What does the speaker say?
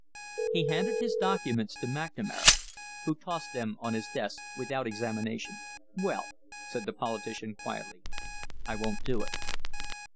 He handed his documents to McNamara, who tossed them on his desk without examination. "Well," said the politician, quietly, "I won't do it."